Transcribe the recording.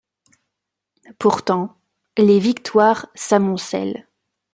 Pourtant, les victoires s'amoncèlent.